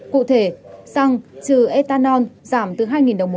cụ thể xăng trừ etanol giảm từ hai đồng